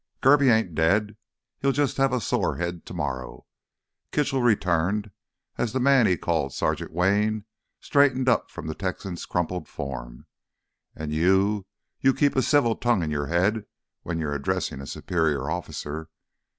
"Kirby ain't dead, he'll just have a sore head tomorrow," Kitchell returned, as the man he called Sergeant Wayne straightened up from the Texan's crumpled form. "And you—you keep a civil tongue in your head when addressing a superior officer.